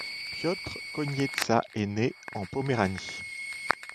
Piotr Konieczka est né en Poméranie.